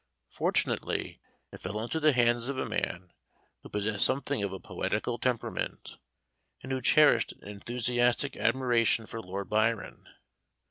Fortunately, it fell into the hands of a man who possessed something of a poetical temperament, and who cherished an enthusiastic admiration for Lord Byron.